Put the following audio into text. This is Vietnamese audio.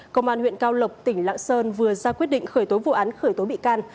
công an huyện cao lộc tỉnh lạng sơn vừa ra quyết định khởi tố vụ án khởi tố bị can